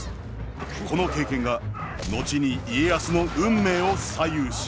この経験が後に家康の運命を左右します。